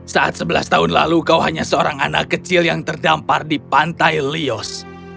saat sebelas tahun lalu kau hanya seorang anak kecil yang terdampar di pantai lios